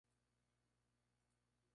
Tagliaferro fue una niña prodigio.